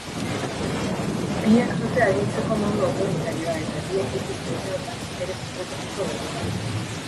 Biek dute agintzeko modu autoritarioa eta biek dituzte uneotan interes estrategiko berberak.